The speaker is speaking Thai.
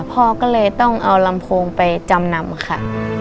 พ่อก็เลยต้องเอาลำโพงไปจำนำค่ะ